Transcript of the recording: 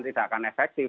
tidak akan efektif